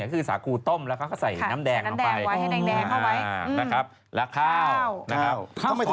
คือสากูต้มแล้วเขาก็ใส่น้ำแดงออกไปแล้วข้าว